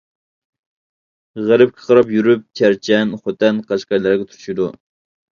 غەربكە قاراپ يۈرۈپ چەرچەن، خوتەن، قەشقەرلەرگە تۇتىشىدۇ.